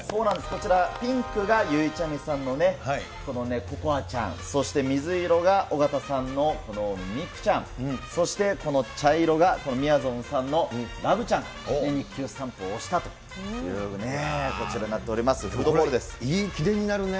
こちら、ピンクがゆいちゃみさんのね、この心愛ちゃん、そして水色が尾形さんの三九ちゃん、そしてこの茶色がみやぞんさんのラブちゃん、肉球スタンプを押したと、こちらになっております、フードボウルいい記念になるね。